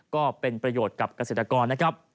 ก็เป็นประโยชน์กับเกษตรกร